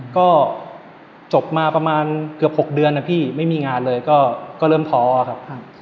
ก็จบมาประมาณเกือบ๖เดือนนะพี่ไม่มีงานเลยก็เริ่มท้อครับ